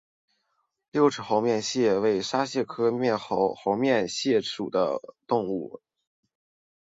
六齿猴面蟹为沙蟹科猴面蟹属的动物。